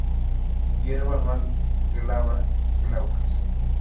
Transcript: Hierba anual glabra, glaucas.